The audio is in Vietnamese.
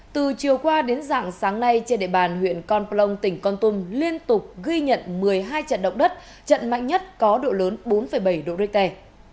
từ chiều qua đến dạng sáng nay trên địa bàn huyện con plong tỉnh con tum liên tục ghi nhận một mươi hai trận động đất trận mạnh nhất có độ lớn bốn bảy độ richter